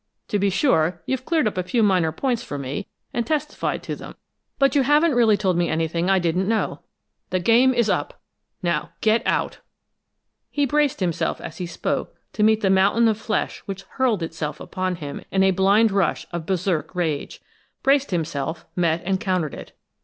To be sure, you've cleared up a few minor points for me, and testified to them, but you haven't really told me anything I didn't know. The game is up! Now get out!" He braced himself, as he spoke, to meet the mountain of flesh which hurled itself upon him in a blind rush of Berserk rage braced himself, met and countered it.